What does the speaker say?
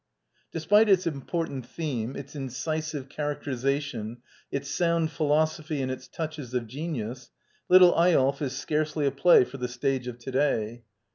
® Despite its important theme, its incisive char acterization, its sound philosophy and its touches of genius, " Little Eyolf " is scarcely a play for the stage of to day.